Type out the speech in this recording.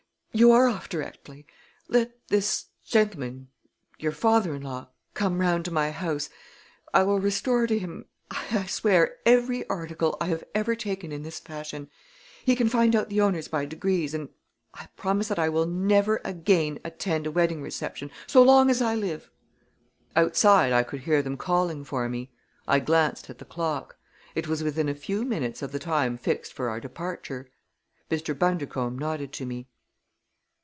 You are off directly. Let this gentleman, your father in law, come round to my house. I will restore to him, I swear, every article I have ever taken in this fashion. He can find out the owners by degrees, and I promise that I will never again attend a wedding reception so long as I live!" Outside I could hear them calling for me. I glanced at the clock. It was within a few minutes of the time fixed for our departure. Mr. Bundercombe nodded to me.